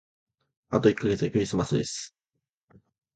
あと一ヶ月でクリスマスです。